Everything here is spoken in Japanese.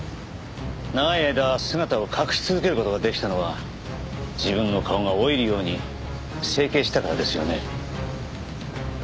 長い間姿を隠し続ける事ができたのは自分の顔が老いるように整形したからですよね？